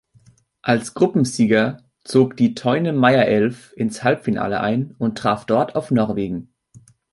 Als Gruppensieger zog die Theune-Meyer-Elf ins Halbfinale ein und traf dort auf Norwegen.